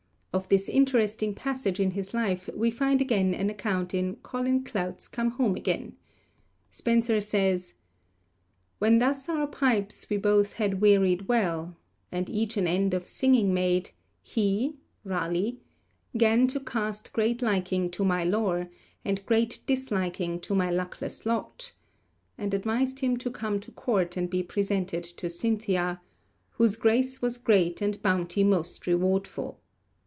Of this interesting passage in his life we find again an account in Colin Clout's come home again. Spencer says: When thus our pipes we both had wearied well, ... and each an end of singing made, He [Raleigh] gan to cast great liking to my lore, And great disliking to my luckless lot; and advised him to come to Court and be presented to 'Cynthia,' Whose grace was great and bounty most rewardful.